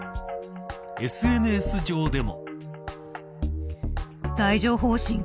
ＳＮＳ上でも。